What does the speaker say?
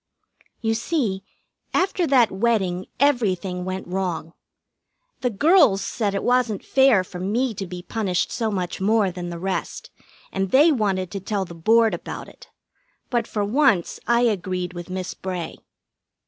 You see, after that wedding everything went wrong. The girls said it wasn't fair for me to be punished so much more than the rest, and they wanted to tell the Board about it; but for once I agreed with Miss Bray.